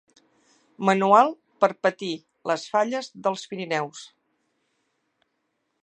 Manual per patir les falles dels Pirineus